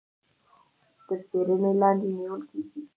تر څيړنې لاندي نيول کېږي.